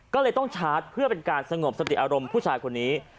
ก็เลยต้องชาร์จเพื่อเป็นการสงบสติอารมณ์ผู้ชายคนนี้